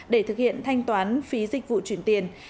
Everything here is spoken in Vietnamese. để thực hiện thanh toán phí dịch vụ chuyển tiền